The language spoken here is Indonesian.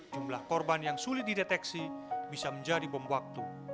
jumlah korban yang sulit dideteksi bisa menjadi bom waktu